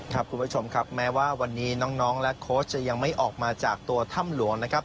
คุณผู้ชมครับแม้ว่าวันนี้น้องและโค้ชจะยังไม่ออกมาจากตัวถ้ำหลวงนะครับ